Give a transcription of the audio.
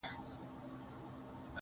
• ما مجسمه د بې وفا په غېږ كي ايښې ده.